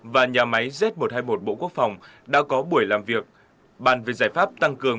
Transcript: và nhà máy z một trăm hai mươi một bộ quốc phòng đã có buổi làm việc bàn về giải pháp tăng cường